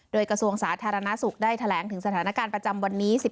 โดยกระทรวงสาธารณสุขได้แถลงถึงสถานการณ์ประจำวันนี้